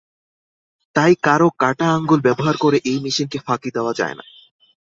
তাই কারও কাটা আঙুল ব্যবহার করে এই মেশিনকে ফাঁকি দেওয়া যায় না।